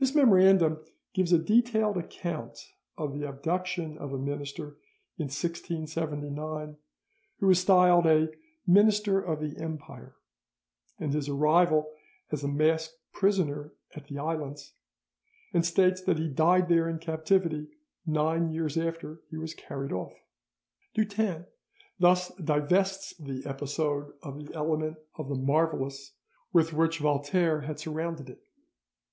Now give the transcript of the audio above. This memorandum gives a detailed account of the abduction of a minister in 1679, who is styled a "minister of the Empire," and his arrival as a masked prisoner at the islands, and states that he died there in captivity nine years after he was carried off. Dutens thus divests the episode of the element of the marvellous with which Voltaire had surrounded it.